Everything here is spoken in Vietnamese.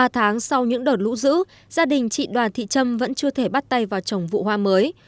ba tháng sau những đợt lũ dữ gia đình chị đoàn thị trâm vẫn chưa thể bắt tay vào trồng vụ hoa mới